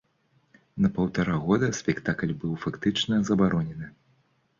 На паўтара года спектакль быў фактычна забаронены.